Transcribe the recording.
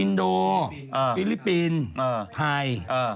อินโดฟิลิปปินส์ไทย